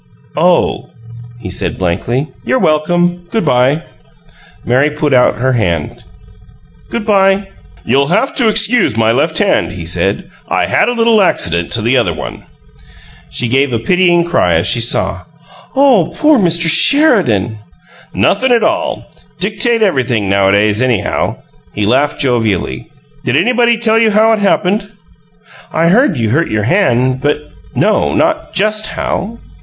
"Oh," he said, blankly. "You're welcome. Good by." Mary put out her hand. "Good by." "You'll have to excuse my left hand," he said. "I had a little accident to the other one." She gave a pitying cry as she saw. "Oh, poor Mr. Sheridan!" "Nothin' at all! Dictate everything nowadays, anyhow." He laughed jovially. "Did anybody tell you how it happened?" "I heard you hurt your hand, but no not just how."